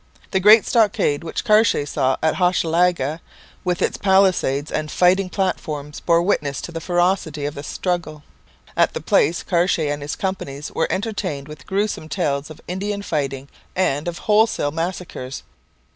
The great stockade which Cartier saw at Hochelaga, with its palisades and fighting platforms, bore witness to the ferocity of the struggle. At that place Cartier and his companions were entertained with gruesome tales of Indian fighting and of wholesale massacres.